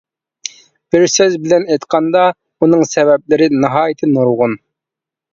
بىر سۆز بىلەن ئېيتقاندا، ئۇنىڭ سەۋەبلىرى ناھايىتى نۇرغۇن.